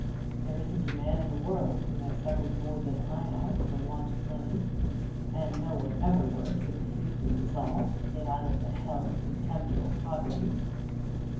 There isn't a man in the world has suffered more than I have for want of money, and no one ever worked with a fiercer resolve to get out of the hell of contemptible poverty.